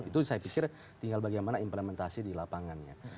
itu saya pikir tinggal bagaimana implementasi di lapangannya